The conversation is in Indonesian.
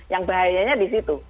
yang bahayanya di situ